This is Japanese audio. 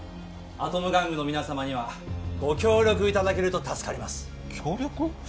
アトム玩具の皆様にはご協力いただけると助かります協力？